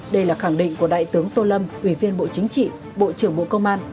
đây là khẳng định của đại tướng tô lâm ủy viên bộ chính trị bộ trưởng bộ công an